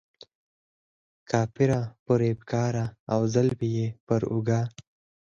کافره، فریب کاره او زلفې یې پر اوږه.